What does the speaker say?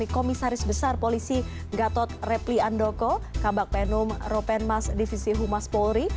komisaris besar polisi gatot repli andoko kabak penum ropenmas divisi humas polri